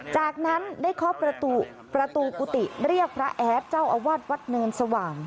จากนั้นได้เคาะประตูกุฏิเรียกพระแอดเจ้าอาวาสวัดเนินสว่าง